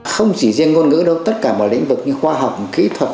không chỉ riêng ngôn ngữ đâu tất cả mọi lĩnh vực như khoa học kỹ thuật